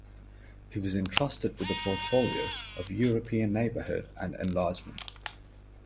He was entrusted with the portfolio of European Neighbourhood and Enlargement.